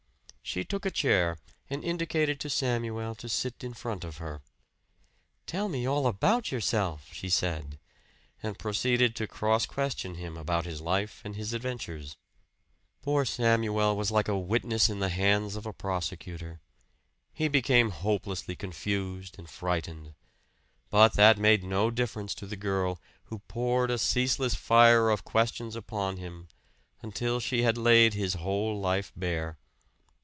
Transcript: She took a chair and indicated to Samuel to sit in front of her. "Tell me all about yourself," she said; and proceeded to cross question him about his life and his adventures. Poor Samuel was like a witness in the hands of a prosecutor he became hopelessly confused and frightened. But that made no difference to the girl, who poured a ceaseless fire of questions upon him, until she had laid his whole life bare.